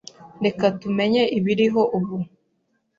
Reka tumenye ibiriho ubu